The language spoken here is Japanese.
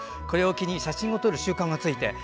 これを機に写真を撮る習慣もついて